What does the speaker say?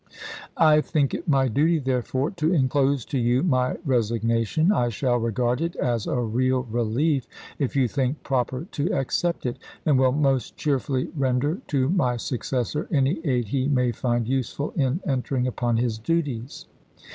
I think it my duty, therefore, to inclose to you my resignation, I shall regard it as chase a rea^ relief if you think proper to accept it, and will tojune29ln' mos^ cheerfully render to my successor any aid he may 1864. ms. find useful in entering upon his duties.